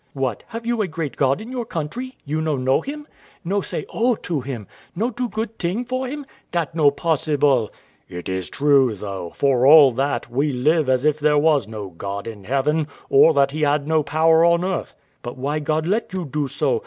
Wife. What, have you a great God in your country, you no know Him? No say O to Him? No do good ting for Him? That no possible. W.A. It is true; though, for all that, we live as if there was no God in heaven, or that He had no power on earth. Wife. But why God let you do so?